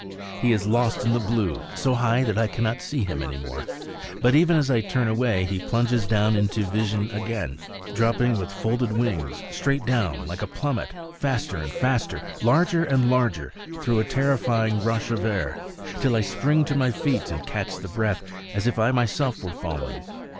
he is lost in the blue, so high that I cannot see any more. But even as I turn away he plunges down into vision again, dropping with folded wings straight down like a plummet, faster and faster, larger and larger, through a terrifying rush of air, till I spring to my feet and catch the breath, as if I myself were falling.